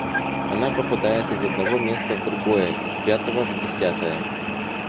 Она попадает из одного места в другое, из пятого в десятое